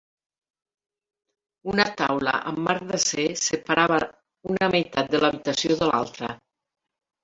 Una taula amb marc d'acer separava una meitat de l'habitació de l'altra.